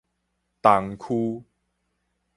東區